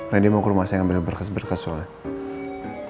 rendy mau kurma saya ngambil berkes berkes soalnya